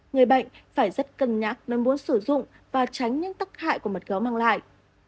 người bệnh phải rất cân nhắc nếu muốn sử dụng và tránh những tắc hại của mật gấu mang lại